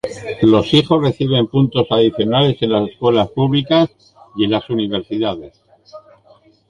Los hijos reciben puntos adicionales en la escuelas públicas y en las universidades.